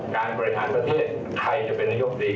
การบริหารประเทศไทยจะเป็นนายกดี